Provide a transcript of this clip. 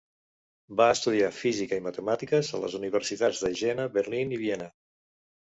Va estudiar física i matemàtiques a les universitats de Jena, Berlín i Viena.